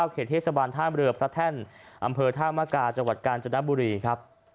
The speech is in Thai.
เขตเทศบาลท่ามเรือพระแท่นอำเภอท่ามกาจังหวัดกาญจนบุรีครับ